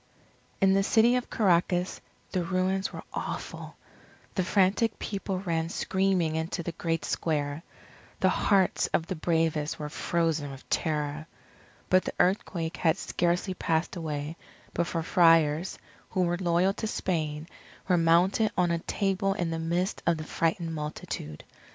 In the City of Caracas, the ruins were awful. The frantic people ran screaming into the great square. The hearts of the bravest were frozen with terror. But the earthquake had scarcely passed away, before Friars, who were loyal to Spain, were mounted on a table in the midst of the frightened multitude.